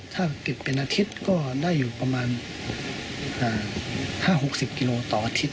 ถ้าติดเป็นอาทิตย์ก็ได้อยู่ประมาณ๕๖๐กิโลต่ออาทิตย